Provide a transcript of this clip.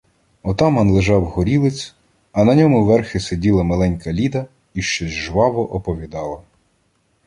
Отаман лежав горілиць, а на ньому верхи сиділа маленька Ліда і щось жваво оповідала.